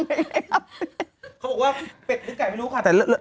เขาบอกว่าเป็ดหรือไก่ไม่รู้ค่ะแต่